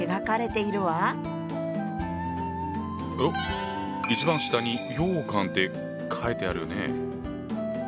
おっ一番下にようかんって書いてあるね。